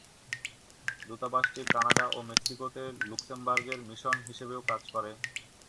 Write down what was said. দূতাবাসটি Canada ও মেক্সিকোতে লুক্সেমবার্গের মিশন হিসেবেও কাজ করে।